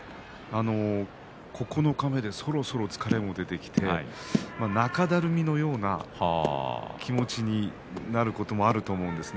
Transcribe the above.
九日目でそろそろ疲れも出てきて中だるみのような気持ちになることもあると思うんですね。